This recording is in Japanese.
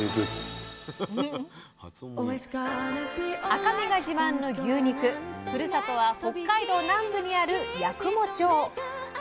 赤身が自慢の牛肉ふるさとは北海道南部にある八雲町！